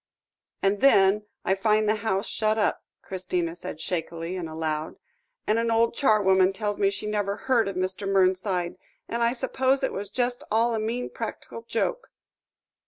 "And then I find the house shut up," Christina said shakily, and aloud, "and an old charwoman tells me she never heard of Mr. Mernside; and I suppose it was just all a mean practical joke."